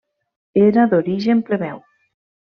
Era d'origen plebeu.